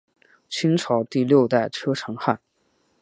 清朝第六代车臣汗。